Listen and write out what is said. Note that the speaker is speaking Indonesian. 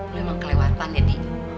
lu emang kelewatan ya di